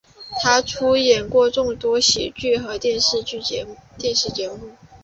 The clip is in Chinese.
他出演过众多的喜剧和电视节目。